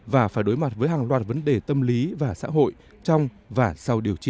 và phải đối mặt với hàng loạt vấn đề tâm lý và xã hội trong và sau điều trị